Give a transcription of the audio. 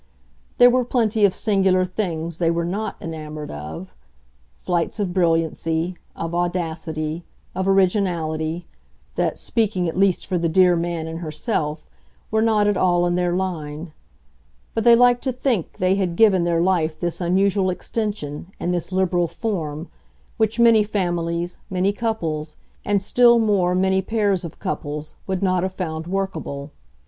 There were plenty of singular things they were NOT enamoured of flights of brilliancy, of audacity, of originality, that, speaking at least for the dear man and herself, were not at all in their line; but they liked to think they had given their life this unusual extension and this liberal form, which many families, many couples, and still more many pairs of couples, would not have found workable.